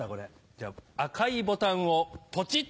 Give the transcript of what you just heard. じゃ赤いボタンをポチっ！